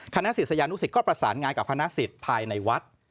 ศิษยานุสิตก็ประสานงานกับคณะสิทธิ์ภายในวัด